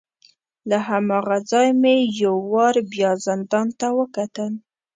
له هماغه ځای نه مې یو وار بیا زندان ته وکتل.